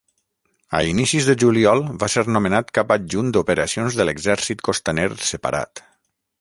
A inicis de juliol va ser nomenat cap adjunt d'operacions de l'Exèrcit Costaner Separat.